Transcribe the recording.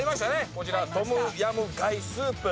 こちらトムヤムガイスープ。